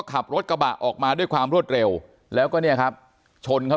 ขับรถกระบะออกมาด้วยความรวดเร็วแล้วก็เนี่ยครับชนเขา